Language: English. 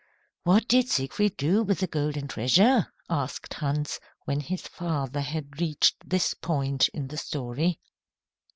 "What did Siegfried do with the golden treasure?" asked Hans, when his father had reached this point in the story.